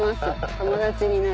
友達になる。